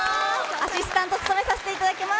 アシスタントを務めさせていただきます。